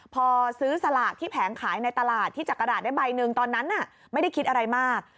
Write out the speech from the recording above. พอซื้อสลากที่แผงขายในตลาดที่จักกระดาษได้ใบหนึ่งตอนนั้นไม่ได้คิดอะไรมาก